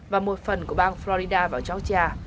và một phần của bang florida vào georgia